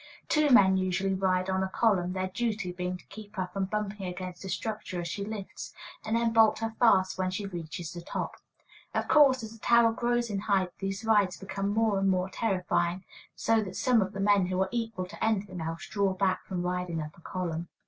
Two men usually ride on a column, their duty being to keep her from bumping against the structure as she lifts, and then bolt her fast when she reaches the top. Of course, as a tower grows in height, these rides become more and more terrifying, so that some of the men who are equal to anything else draw back from riding up a column.